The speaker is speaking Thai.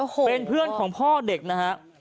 โอ้โหเป็นเพื่อนของพ่อเด็กนะฮะ